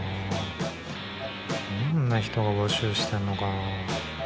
どんな人が募集してんのかな？